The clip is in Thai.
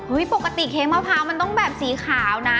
ปกติเค้กมะพร้าวมันต้องแบบสีขาวนะ